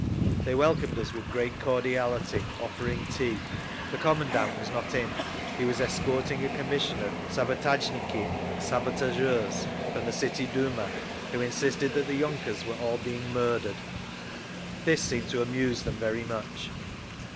They welcomed us with great cordiality, offering tea. The commandant was not in; he was escorting a commission of "sabotazhniki" (sabotageurs) from the City Duma, who insisted that the yunkers were all being murdered. This seemed to amuse them very much.